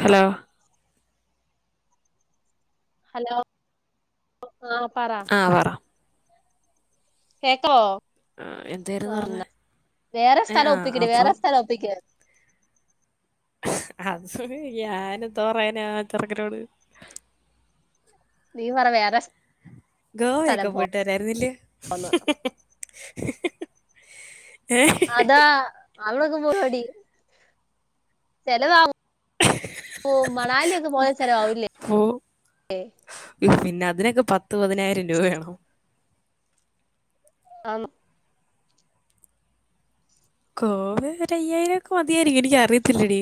hello hello ആ പറ ആ പറ കേക്കാവോ ആ, ആ എന്തായിരുന്നു പറഞ്ഞേ വേറെ ഏ സ്ഥലം ആ ഒപ്പിക്കടി വേറെ അപ്പം സ്ഥലം ഒപ്പിക്ക അത് ഞാന എന്തോറയന ചെറക്കിനോട് നീ വറവ യാര ഗോവയൊക്കെ പോയിട്ടരായിരുന്നില്ലേ പോവാന്ന് [unintelligible] അതാ അവളൊക്കെ പപാടി ചലവാകും മണാലിൊക്കെ പോയ സ്ല ആവില്ലേ പോ ഉഫ്, പിന്നെ അതിനൊക്കെ പത്ത് പതിനായിരം രൂപ വേണോ ആണ് കോവ ഒര അയ്യായിരം ഒക്കെ മതിയായി എനിക്ക അറിയത്തില്ലടി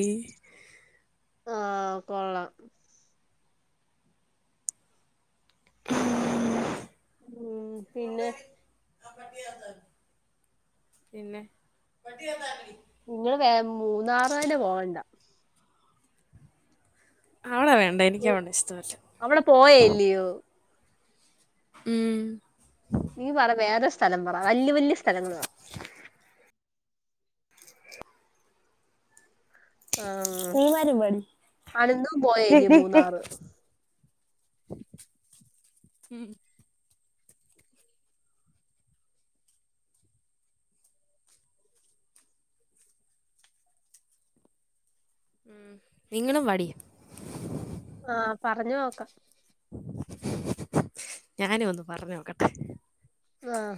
ആഹ കൊള്ളലാം ഉ പിന്നെ ആ പട്ട പിന്നെ പട്ടിയ നിങ്ങള് വേ മൂന്നാറ പോകണ്ട അവിടെ വേണ്ട എനിക്ക് അവിടെ ഇഷ്ടമല്ല അവിടെ പോയല്ലയോ ഉം നീ പറ വേറെ സ്ഥലം പറ വല്യ വല്യ സ്ഥലങ്ങള ആഹ് മാരു വ അനന്തും പോയേല്ലേ മൂന്നാറ് ഉം ഉം നിങ്ങളും വടി ആഹ പറഞ്ഞു നോക്കാം ഞാന ഒന്ന്ു പറഞ്ഞോക്കട്ടെ ആഹ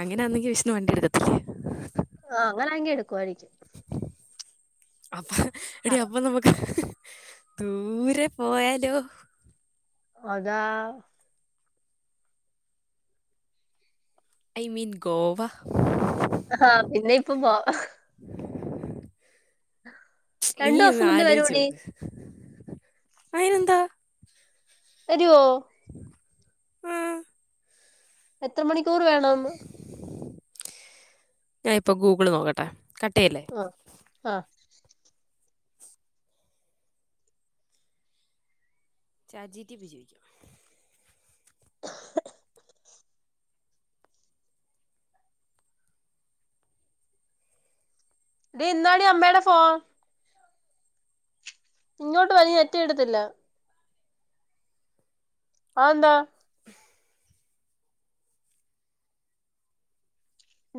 അങ്ങനൊന്നെങ്കി വിഷ്ണു വണ്ടി എടുക്കത്തില്ലേ ആ അങ്ങനെ അങ്കി എടുക്കുമായിരിക്കും അപ്പ എട അപ്പൊ നമുക്ക് ദൂരെ പോയാലോ അതാ ഐ മീൻ ഗോവ ആഹ പിന്നെ ഇപ്പൊ നീ രണ്ടു ഒന്ന് ദിവസം മുന്നേ ആലോചിച്ചു വരൂടി നോക്ക് അയിനെന്താ അത്ോ ആം എത്ര മണിക്ക് ഞാാനിപ്പോൊ ഗൂഗിള് നോക്കട്ടെ കട്ടേല്ലേ ആഹ ചാജീറ്റിപ്പ ജോയിിക്കും [unintelligible] ഇ ഇന്നാടി അമ്മയുടെ ഫോൺ ഇങ്ങോട്ട് പനി എറ്റ എടുത്തില്ല ആന്താ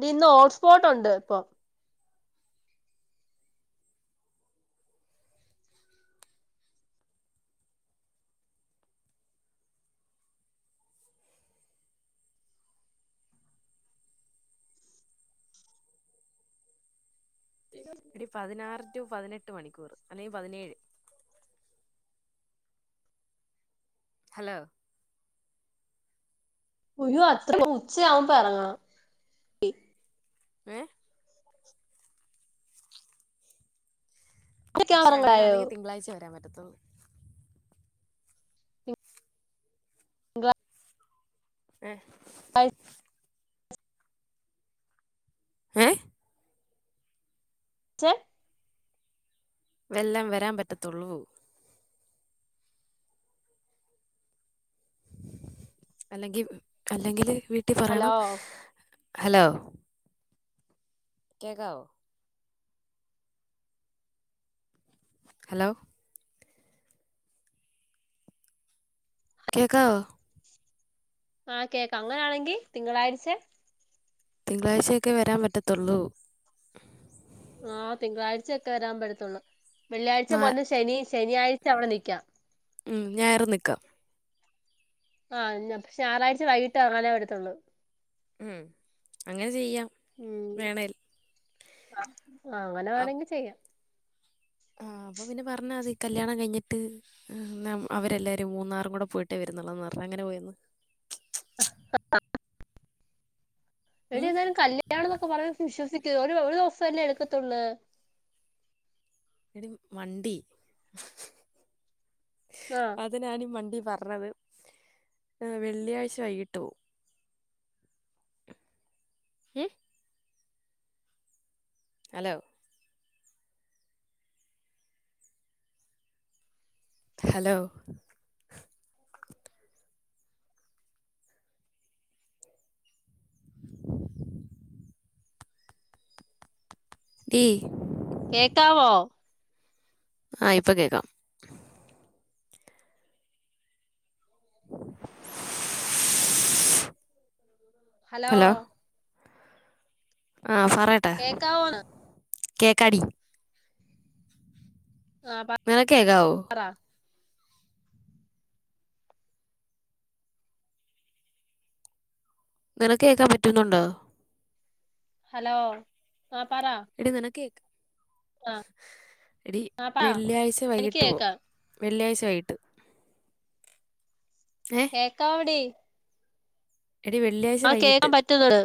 ഇ ഇന്ന് ഹോട്ട്സ്പോട്ട്ുണ്ട് ഇപ്പൊ ഇടി പതിനാറ് ടു പതിനെട്ട് മണിക്കൂർ അല്ലെങ്കിൽ പതിനേഴ് ഹലോ അയ്യോ അത്ര ഉച്ചയാവുമ്പ ഇറങ്ങണം ഏ പക്ഷെ ഇറങ്ങായോ അങ്ങനാണെങ്കിൽ തിങ്കളാഴ്ച വരാൻ പറ്റുന്നത് ങ്ങ ഹ അ ഏ ചെ വെല്ലം വരാൻ പറ്റത്തുള്ളൂ അല്ലെങ്കിൽ അല്ലെങ്കില് വീട്ടി പറയണം ഹലോ ഹലോ കേക്കാവോ ഹലോ കേക്കാവോ ആ കേക്കാം അങ്ങനാണെങ്കി തിങ്കളാഴ്ച്ചെ തിങ്കളാഴ്ചയൊക്കെ വരാൻ പറ്റത്തുള്ളൂ ആ തിങ്കളാഴച്ചയൊക്കെ വരാൻ പറ്റത്തുള്ളൂ വെള്ളിയാഴ്ച നാ- പോന്ന് ശനി ശനിയാഴ്ച അവിടെ നിക്കാം ഉം ഞായറും നിക്കാം ആ ഞ പക്ഷേ ഞായറാഴ്ച വൈകിട്ട് ഇറങ്ങാനേ പറ്റത്തുള്ളൂ ഉം അങ്ങനെ ചെയ്യാം ഉം വേണേൽ ആ അങ്ങനെ വേണങ്കി ചെയ്യാം ആ അപ്പൊ പിന്നെ പറഞ്ഞാ മതി കല്യാണം കഴിഞ്ഞിട്ട് അവരെല്ലാരും മൂന്നാറും കൂടെ പോയിട്ടേ വരുന്നുള്ളന്ന് പറഞ്ഞ അങ്ങനെ പോയിന്ന് ആ [unintelligible] എടി ഉം എന്തായാലും കല്യാണം എന്നക്കെ പറയാ വിശ്വസിക് ഒരു ഓരോസല്ലേ എടുക്കത്തുള്ള് എടി മണ്ടി ആഹ് അതിനാണ് മണ്ടി പറ ഞ്ഞത് വെള്ളിയാഴ്ച വൈകിട്ട് പോവും ഇം ഹലോ ഹലോ ടീ കേക്കാവോ ആഹ് ഇപ്പൊ കേക്കാം ഹലോ ആ ഫറയട്ടെ കേക്കാവോന്ന് കേക്കാടി ആഹ് നിനക്കേക്കാവോ പറ നിനക്ക് കേക്കാൻ പറ്റുന്നുണ്ടോ ഹലോ ആഹ് പറ എടി നിനക്ക് കേക്ക് ആഹ് എടി ആഹ് പറ വെള്ളിയാഴ്ച എനിക്ക് വൈകിട്ട് പോ കേക്കാം വെള്ളിയാഴ്ച്ച വൈട്ട് കേക്കാവടി എടി വെള്ളിയാഴ്ച വൈകിട്ട് കേക്കാൻ പറ്റുന്നുണ്ട്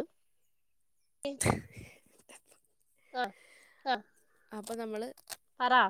ആഹ് ആഹ് അപ്പൊ നമ്മള് പറ